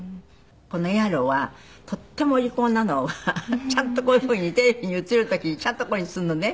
このエアロはとってもお利口なのはちゃんとこういうふうにテレビに映る時にちゃんとこういうふうにするのね。